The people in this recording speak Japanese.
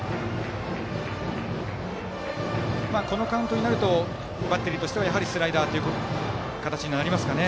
このカウントになるとバッテリーとしてはやはりスライダーという形になりますかね。